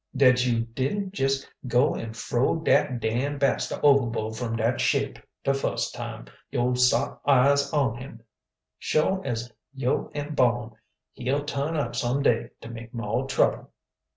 "Dat you didn't jes' go an' frow dat Dan Baxter overboard from dat ship de fust time yo' sot eyes on him. Suah as yo' am born he'll turn up some day to make moah trouble."